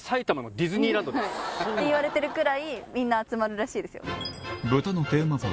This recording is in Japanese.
言われてるくらいみんな集まるらしいですよ。